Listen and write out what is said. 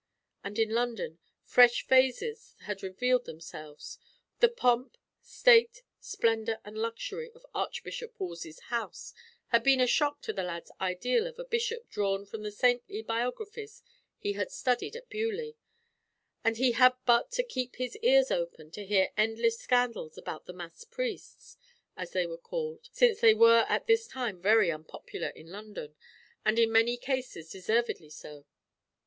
And in London, fresh phases had revealed themselves; the pomp, state, splendour and luxury of Archbishop Wolsey's house had been a shock to the lad's ideal of a bishop drawn from the saintly biographies he had studied at Beaulieu; and he had but to keep his ears open to hear endless scandals about the mass priests, as they were called, since they were at this time very unpopular in London, and in many cases deservedly so.